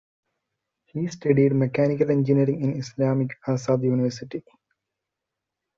He studied Mechanical Engineering in Islamic Azad University.